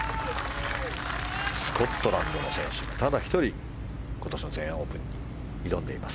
スコットランドの選手ただ１人、今年の全英オープンに挑んでいます。